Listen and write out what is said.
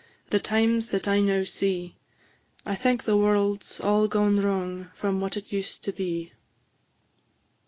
The times that I now see; I think the world 's all gone wrong, From what it used to be.